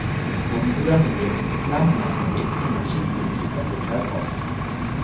বন্ধুরা মিলে "ইসলাম" নামে একটি মাসিক পত্রিকা প্রচার করতেন।